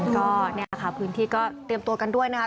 ก็นี่แหละค่ะพื้นที่ก็เตรียมตัวกันด้วยนะคะ